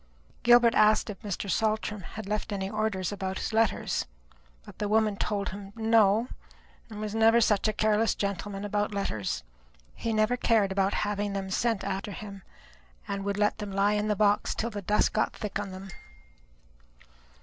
Gilbert asked if Mr. Saltram had left any orders about his letters; but the woman told him, no; there never was such a careless gentleman about letters. He never cared about having them sent after him, and would let them lie in the box till the dust got thick upon them.